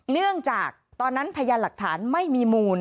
เนื่องจากตอนนั้นพยานหลักฐานไม่มีมูล